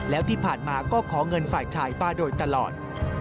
แล้วที่ผ่านมาก็ขอเงินฝ่ายชายป้าโดยตลอด